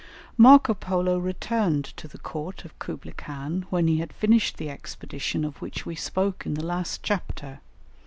Marco Polo returned to the court of Kublaï Khan when he had finished the expedition of which we spoke in the last chapter.